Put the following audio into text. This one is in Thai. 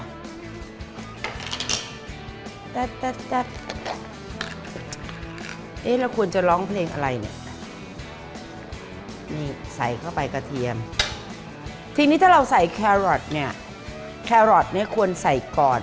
เราควรจะร้องเพลงอะไรเนี่ยนี่ใส่เข้าไปกระเทียมทีนี้ถ้าเราใส่แครอทเนี่ยแครอทเนี่ยควรใส่ก่อน